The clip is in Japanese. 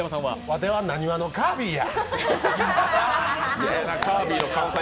わてはなにわのカービィや。